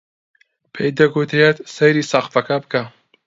پێی دەگوترێت سەیری سەقفەکە بکە